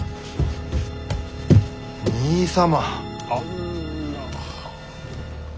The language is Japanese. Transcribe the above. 兄様。